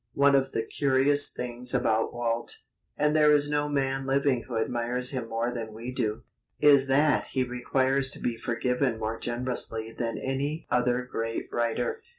One of the curious things about Walt and there is no man living who admires him more than we do is that he requires to be forgiven more generously than any other great writer.